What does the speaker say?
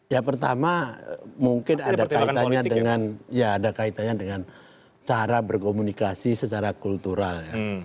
yang pertama mungkin ada kaitannya dengan cara berkomunikasi secara kultural